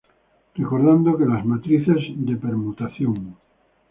Recordando que las matrices de permutación.